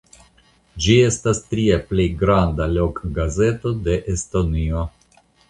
Ĝi estas la tria plej granda lokgazeto de Estonio.